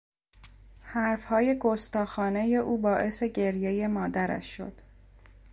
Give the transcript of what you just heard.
حرفهای گستاخانهی او باعث گریهی مادرش شد.